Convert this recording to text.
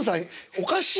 おかしい。